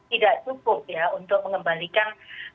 tidak cukup ya untuk mengembalikan